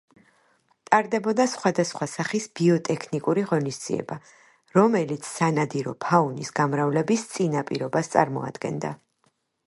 ტარდებოდა სხვადასხვა სახის ბიოტექნიკური ღონისძიება, რომელიც სანადირო ფაუნის გამრავლების წინაპირობას წარმოადგენდა.